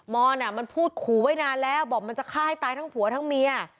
อนมันพูดขู่ไว้นานแล้วบอกมันจะฆ่าให้ตายทั้งผัวทั้งเมีย